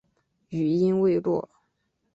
语音未落